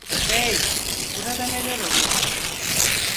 Hey, burada neler oluyor?